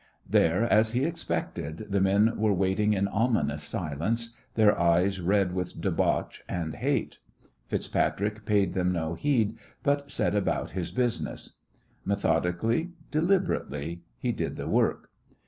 There, as he had expected, the men were waiting in ominous silence, their eyes red with debauch and hate. FitzPatrick paid them no heed, but set about his business. Methodically, deliberately, he did the work.